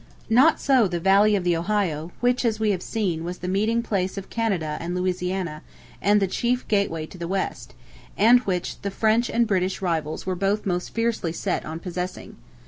Not so the valley of the Ohio, which, as we have seen, was the meeting place of Canada and Louisiana, and the chief gateway to the West; and which the French and British rivals were both most fiercely set on possessing.